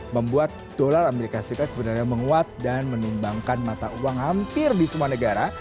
membuat dolar amerika serikat sebenarnya menguat dan menumbangkan mata uang hampir di semua negara